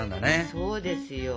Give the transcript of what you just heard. そうですよ。